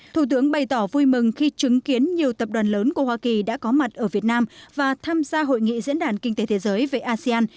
thủ tướng bày tỏ vui mừng khi chứng kiến nhiều tập đoàn lớn của hoa kỳ đã có mặt ở việt nam và tham gia hội nghị diễn đàn kinh tế thế giới về asean